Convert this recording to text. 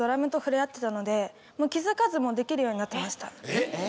えっ！